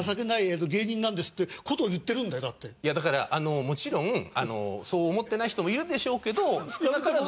いやだからあのもちろんそう思ってない人もいるでしょうけど。